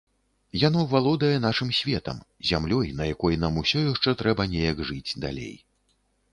Яно валодае нашым светам, зямлёй, на якой нам усё яшчэ трэба неяк жыць далей.